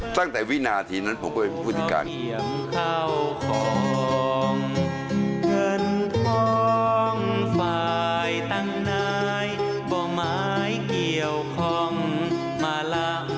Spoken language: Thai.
ตั้งแต่วินาทีนั้นผมก็เห็นพฤติการ